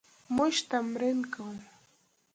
موږ تمرین کوو